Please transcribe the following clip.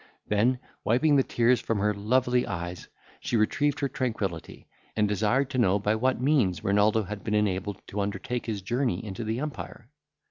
—Then wiping the tears from her lovely eyes, she retrieved her tranquillity, and desired to know by what means Renaldo had been enabled to undertake his journey into the empire.